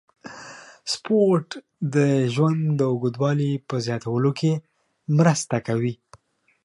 سپورت د ژوند د اوږدوالي په زیاتولو کې مرسته کوي.